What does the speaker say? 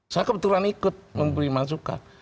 saya kebetulan ikut memberi masukan